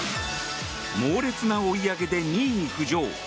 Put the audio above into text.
猛烈な追い上げで２位に浮上。